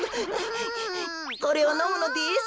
これをのむのです。